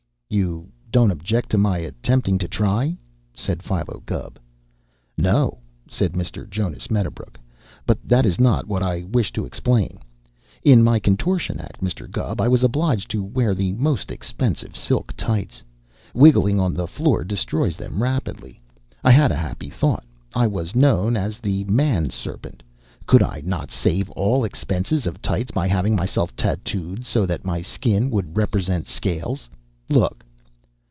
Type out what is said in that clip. "You don't object to my attempting to try?" said Philo Gubb. "No," said Mr. Jonas Medderbrook, "but that is not what I wish to explain. In my contortion act, Mr. Gubb, I was obliged to wear the most expensive silk tights. Wiggling on the floor destroys them rapidly. I had a happy thought. I was known as the Man Serpent. Could I not save all expense of tights by having myself tattooed so that my skin would represent scales? Look."